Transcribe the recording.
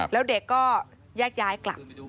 แล้วเด็กก็แยกย้ายกลับ